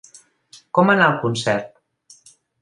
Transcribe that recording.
Com va anar el concert?